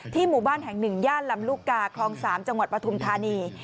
ที่หมู่บ้านแห่งหนึ่งย่านลำลูกกาครองสามจังหวัดปทุมธานี